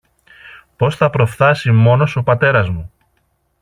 πώς θα προφθάσει μόνος ο πατέρας μου